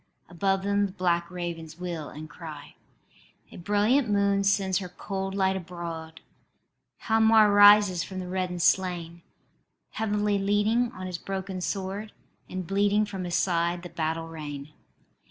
Above them the black ravens wheel and cry. A brilliant moon sends her cold light abroad: Hialmar arises from the reddened slain, Heavily leaning on his broken sword, And bleeding from his side the battle rain.